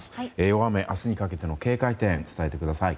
大雨、明日にかけての警戒点を伝えてください。